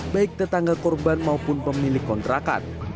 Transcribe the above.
baik tetangga korban maupun pemilik kontrakan